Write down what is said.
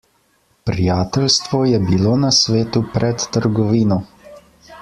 Prijateljstvo je bilo na svetu pred trgovino.